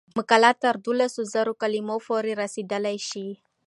مقالې تر دولس زره کلمو پورې رسیدلی شي.